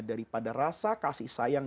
daripada rasa kasih sayang